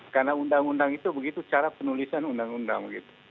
karena undang undang itu begitu cara penulisan undang undang